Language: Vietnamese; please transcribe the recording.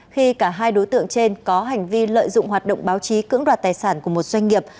khi cả hai đối tượng trên có hành vi lợi dụng hoạt động báo chí cưỡng đoạt tài sản của một doanh nghiệp